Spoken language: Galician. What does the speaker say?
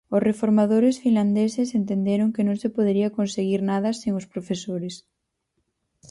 Os reformadores finlandeses entenderon que non se podería conseguir nada sen os profesores.